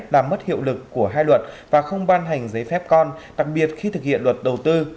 làm mất hiệu lực của hai luật và không ban hành giấy phép con đặc biệt khi thực hiện luật đầu tư